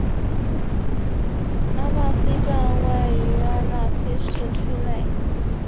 阿讷西站位于阿讷西市区内。